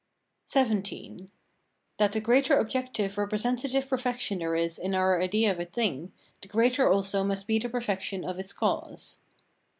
XVII. That the greater objective (representative) perfection there is in our idea of a thing, the greater also must be the perfection of its cause.